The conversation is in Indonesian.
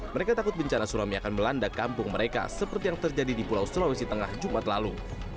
mereka takut bencana tsunami akan melanda kampung mereka seperti yang terjadi di pulau sulawesi tengah jumat lalu